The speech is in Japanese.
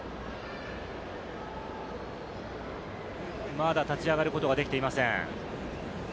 まだ立ち上がることができていません。